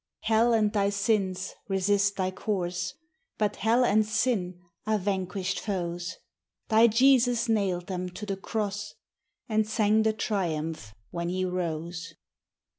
S Hell and thy snis resist thy cop"«» But hell and sin are vanquish d foes. Thy Jesus nail'd them to the cross. And sang the biumph when he rose.